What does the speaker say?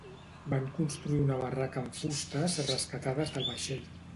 Van construir una barraca amb fustes rescatades del vaixell.